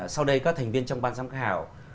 sau đây các thành viên trong ban giám khảo